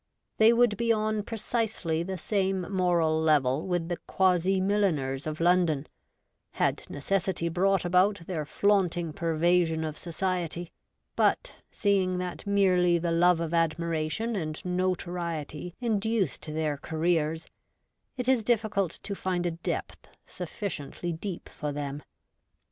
They would be on precisely the same moral level with the quasi milliners of London, had necessity brought about their flaunting pervasion of Society, but, seeing that merely the love of admiration and notoriety induced their careers, it is difficult to find a depth sufficiently deep for them.